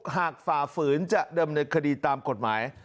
หากฝ่าฝืนจะเดิมในคดีตามกฎหมาย